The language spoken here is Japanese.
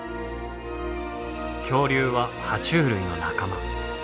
恐竜はは虫類の仲間。